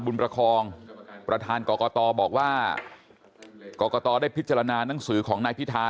ประคองประธานกรกตบอกว่ากรกตได้พิจารณานังสือของนายพิธา